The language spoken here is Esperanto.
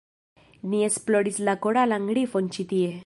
Ni esploris la koralan rifon ĉi tie